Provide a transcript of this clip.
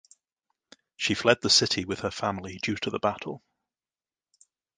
She fled the city with her family due to the battle.